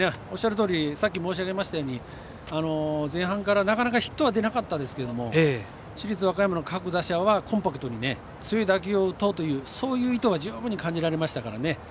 おっしゃるとおりさっき申しましたように前半からなかなかヒットは出なかったですけど市立和歌山の各打者はコンパクトに強い打球を打とうというそういう意図は十分に感じられましたからね。